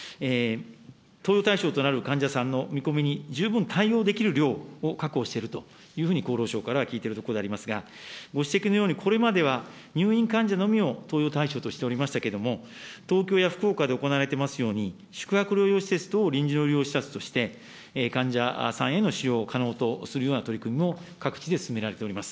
投与対象となる患者さんの見込みに十分対応できる量を確保しているというふうに、厚労省からは聞いているところでありますが、ご指摘のように、これまでは入院患者のみを投与対象としておりましたけれども、東京や福岡で行われておりますように、宿泊療養施設等臨時の医療施設として、患者さんへの使用を可能とするような取り組みも、各地で進められております。